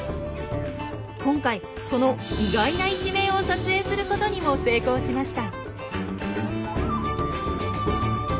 今回その意外な一面を撮影することにも成功しました。